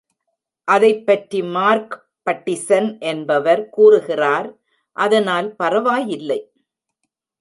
அதைப் பற்றி Mark Pattison என்பவர் கூறுகிறார் அதனால் பரவாயில்லை!.